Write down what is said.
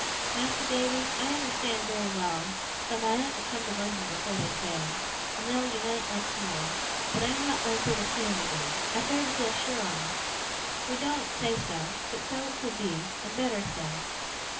Mas'r Davy, I unnerstan' very well, though my aunt will come to Lon'on afore they sail, and they'll unite once more, that I am not like to see him agen. I fare to feel sure on't. We doen't say so, but so 'twill be, and better so.